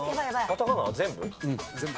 全部？